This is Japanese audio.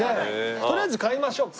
とりあえず買いましょうか。